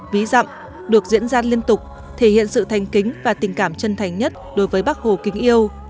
ví dặm được diễn ra liên tục thể hiện sự thành kính và tình cảm chân thành nhất đối với bác hồ kính yêu